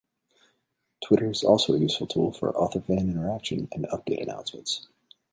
Twitter is also a useful tool for author-fan interaction and update announcements.